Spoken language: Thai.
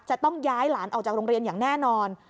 จะต้องย้ายหลานออกจากโรงเรียนอย่างแน่นอน